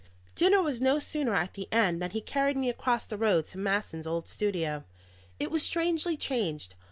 Dinner was no sooner at an end than he carried me across the road to Masson's old studio. It was strangely changed.